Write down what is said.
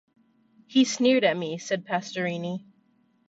"He sneered at me" said Pastorini.